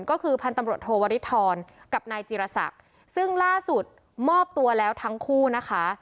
ก็คือพันธุ์ตำรวจโทวริทรกับนายจีรศักดิ์ซึ่งล่าสุดมอบตัวแล้วทั้งคู่นะคะ